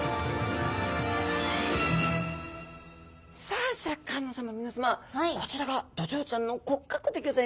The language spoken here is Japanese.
さあシャーク香音さま皆さまこちらがドジョウちゃんの骨格でギョざいますね。